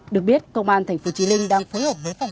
được biết công an tp chí linh đang phối hợp với phòng